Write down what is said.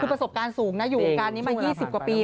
คือประสบการณ์สูงนะอยู่วงการนี้มา๒๐กว่าปี